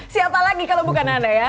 siapa lagi kalau bukan anda ya